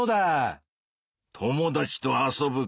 友達と遊ぶか。